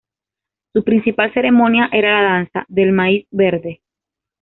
Su principal ceremonia era la danza del Maíz Verde.